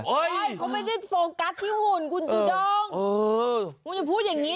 ใช่เขาไม่ได้โฟงกัสที่หุ่นคุณตุดองเออมึงอย่าพูดอย่างงี้